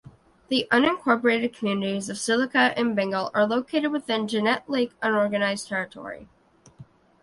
The unincorporated communities of Silica and Bengal are located within Janette Lake Unorganized Territory.